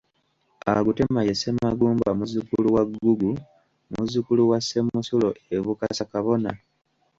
Agutema ye Semagumba muzzukulu wa Ggugu, muzzukulu wa Semusulo e Bukasa Kabona.